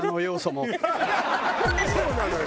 そうなのよ。